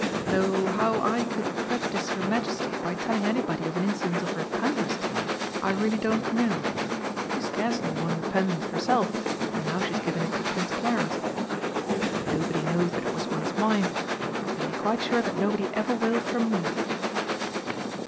"Though how I could prejudice her Majesty by telling anybody of an instance of her kindness to me, I really don't know. She's scarcely worn the pendant herself, and now she's given it to Prince Clarence. But nobody knows that it was once mine, and you can be quite sure that nobody ever will, from me."